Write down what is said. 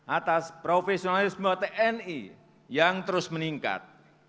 atas profesionalisme tni yang terus meningkat